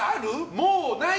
もうない？